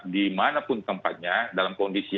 dimanapun tempatnya dalam kondisi